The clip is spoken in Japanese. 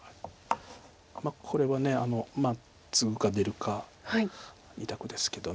これはまあツグか出るか２択ですけど。